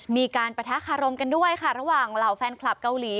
ปะทะคารมกันด้วยค่ะระหว่างเหล่าแฟนคลับเกาหลี